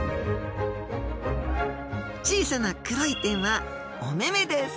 小さな黒い点はおめめです